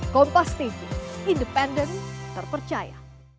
kompas tv independen terpercaya